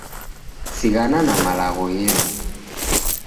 Sighana na malagho ghedu